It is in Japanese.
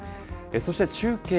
そして中継。